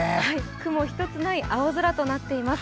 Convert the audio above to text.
雲一つない青空となっています。